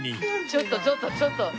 ちょっとちょっとちょっと。